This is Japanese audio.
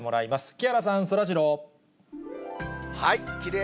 木原さん、そらジロー。